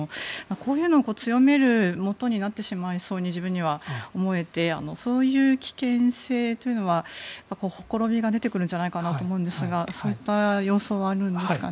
こういうのを強めるもとになってしまいそうに自分には思えてそういう危険性というのはほころびが出てくるんじゃないかなと思うんですがそういった様相はあるんですかね？